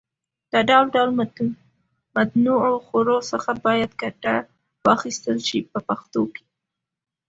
له ډول ډول متنوعو خوړو څخه باید ګټه واخیستل شي په پښتو کې.